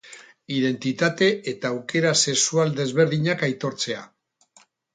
Identitate eta aukera sexual desberdinak aitortzea.